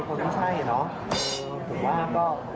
คนที่ใช่เนอะผมว่าก็